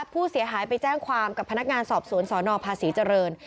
ผู้เสียหายไปแจ้งความกับพนักงานสอบสวนสนภาษีเจริญ